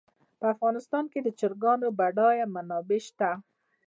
په افغانستان کې د چرګانو بډایه منابع شته.